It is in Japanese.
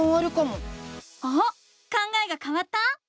考えがかわった？